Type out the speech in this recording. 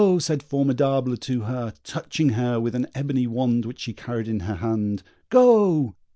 said Formidable to her, touching her with an ebony wand which she carried in her hand, "Go!